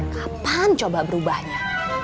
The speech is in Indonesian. kapan coba berubahnya